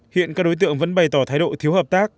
hiện các đối tượng vẫn bày tỏ thái độ thiếu hợp tác